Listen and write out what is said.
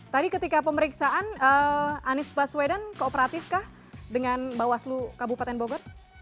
tadi ketika pemeriksaan anies baswedan kooperatif kah dengan bawaslu kabupaten bogor